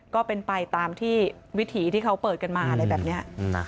ก็เป็นไปตามที่วิถีที่เขาเปิดกันมาอะไรแบบนี้